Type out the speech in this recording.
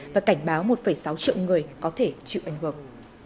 và cảnh báo một sáu triệu người có thể chịu ảnh hưởng